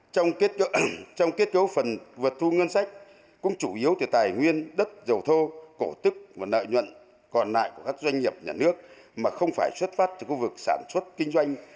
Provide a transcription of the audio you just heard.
trong kết cấu phần vượt thu ngân sách cũng chủ yếu từ tài nguyên đất dầu thô cổ tức và nợ nhuận còn lại của các doanh nghiệp nhà nước mà không phải xuất phát từ khu vực sản xuất kinh doanh